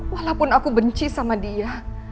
walaupun aku benci sama dia